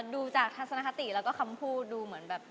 ดูจากทัศนคติแล้วก็คำพูดดูเหมือนแบบ